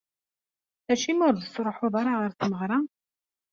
Acimi ur d-tettruḥuḍ ara ɣer tmeɣra?